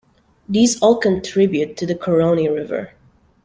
These all contribute to the Caroni River.